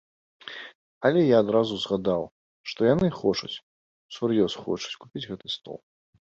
Але я адразу згадаў, што яны хочуць, усур'ёз хочуць купіць гэты стол.